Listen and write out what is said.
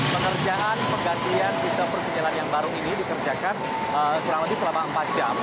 pengerjaan penggantian sistem persijalan yang baru ini dikerjakan kurang lebih selama empat jam